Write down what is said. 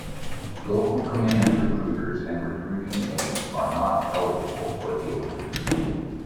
Local command recruiters and recruiting aides are not eligible for the award.